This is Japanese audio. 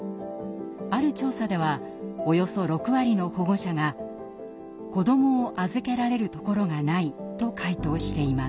ある調査ではおよそ６割の保護者が「子どもを預けられる所がない」と回答しています。